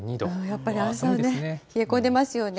やっぱり寒いですね、冷え込んでますよね。